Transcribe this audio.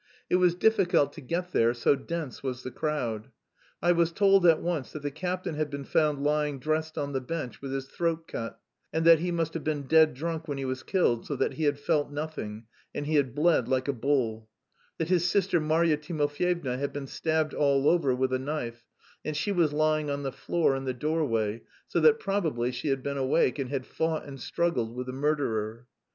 It was difficult to get there, so dense was the crowd. I was told at once that the captain had been found lying dressed on the bench with his throat cut, and that he must have been dead drunk when he was killed, so that he had felt nothing, and he had "bled like a bull"; that his sister Marya Timofeyevna had been "stabbed all over" with a knife and she was lying on the floor in the doorway, so that probably she had been awake and had fought and struggled with the murderer.